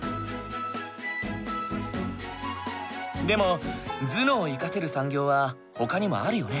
でも頭脳を生かせる産業はほかにもあるよね。